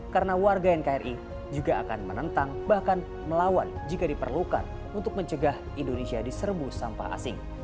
karena warga nkri juga akan menentang bahkan melawan jika diperlukan untuk mencegah indonesia diserebu sampah asing